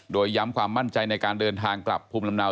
โดยย้ำความมั่นใจในการเดินทางกลับภูมิลำเนา